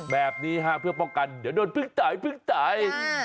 แบบนี้ฮะเพื่อป้องกันเดี๋ยวโดนพึ่งจ่าย